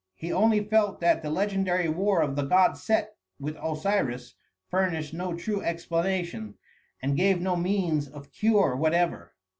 He only felt that the legendary war of the god Set with Osiris furnished no true explanation, and gave no means of cure whatever.